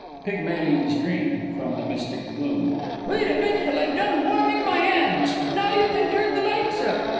PYGMALION'S DREAM (from the Mystic gloom). Wait a bit till I've done warming my 'ands. Now you can turn the lights up